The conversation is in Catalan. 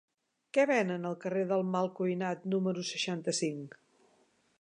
Què venen al carrer del Malcuinat número seixanta-cinc?